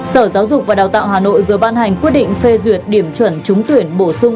sở giáo dục và đào tạo hà nội vừa ban hành quyết định phê duyệt điểm chuẩn trúng tuyển bổ sung